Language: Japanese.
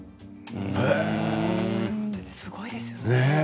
すごいですよね。